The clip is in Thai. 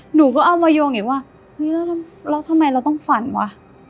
หนูก็เอามาโยงอีกว่าเฮ้ยแล้วทำไมเราต้องฝันวะ